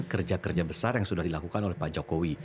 kerja kerja besar yang sudah dilakukan oleh pak jokowi